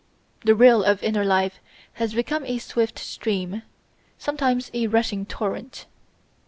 The rill of inner life has become a swift stream, sometimes a rushing torrent.